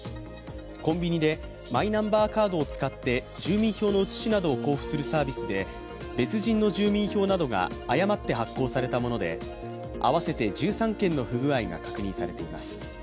コンビニでマイナンバーカードを使って住民票の写しなどを交付するサービスで別人の住民票などが誤って発行されたもので合わせて１３件の不具合が確認されています。